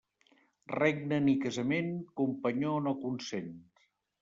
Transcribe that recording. Regne ni casament, companyó no consent.